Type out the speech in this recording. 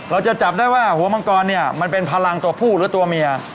เราจะจับได้ว่าหัวมังกรเนี่ยมันเป็นพลังตัวผู้หรือตัวเมีย